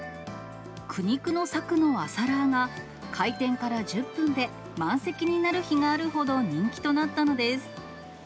苦肉の策の朝ラーが、開店から１０分で満席になる日があるほど人気となったのです。